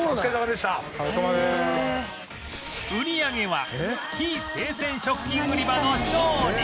売り上げは非生鮮食品売り場の勝利